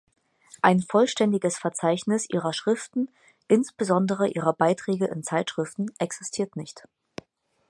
Ein vollständiges Verzeichnis ihrer Schriften, insbesondere ihrer Beiträge in Zeitschriften, existiert nicht.